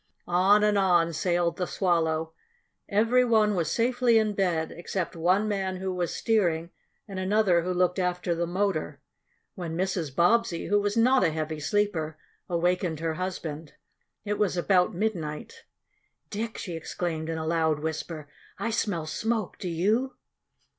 On and on sailed the Swallow. Every one was safely in bed, except one man who was steering and another who looked after the motor, when Mrs. Bobbsey, who was not a heavy sleeper, awakened her husband. It was about midnight. "Dick!" she exclaimed in a loud whisper, "I smell smoke! Do you?"